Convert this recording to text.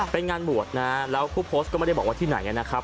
เป็นงานบวชนะฮะแล้วผู้โพสต์ก็ไม่ได้บอกว่าที่ไหนนะครับ